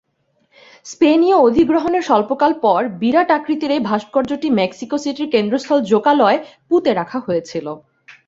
স্পেনীয় অধিগ্রহণের স্বল্পকাল পর বিরাট আকৃতির এ ভাস্কর্যটি মেক্সিকো সিটির কেন্দ্রস্থল জোকালোয় পুঁতে রাখা হয়েছিল।